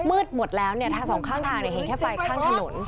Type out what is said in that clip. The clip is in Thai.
มืดหมดแล้วเนี่ยทางสองข้างทางเห็นแค่ไฟข้างถนน